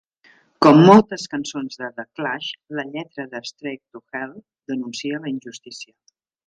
Com moltes cançons de The Clash, la lletra de "Straight to Hell" denuncia la injustícia.